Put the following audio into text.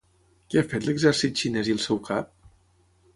Què ha fet l'exèrcit xinès i el seu cap?